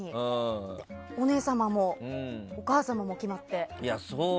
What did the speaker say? お姉さまもお母さまも決まって。